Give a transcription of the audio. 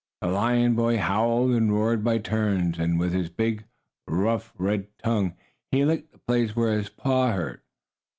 The lion boy howled and roared by turns, and with his big, rough, red tongue, he licked the place where his paw hurt.